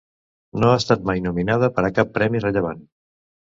No ha estat mai nominada per a cap premi rellevant.